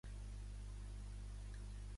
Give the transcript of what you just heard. Tanzània i el Mar d'Andaman.